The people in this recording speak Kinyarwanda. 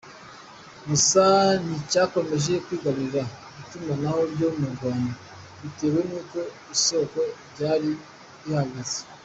Gusa nticyakomeje kwigarurira itumanaho ryo mu Rwanda bitewe n’uko isoko ryari rihagaze.